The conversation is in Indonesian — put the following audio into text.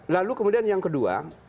lalu kemudian yang kedua